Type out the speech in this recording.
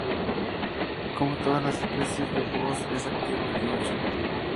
Como todas las especies de búhos, es activo de noche.